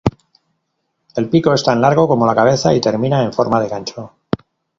El pico es tan largo como la cabeza y termina en forma de gancho.